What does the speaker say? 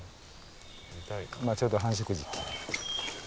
今ちょうど繁殖時期。